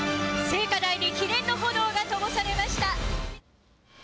聖火台に記念の炎がともされました。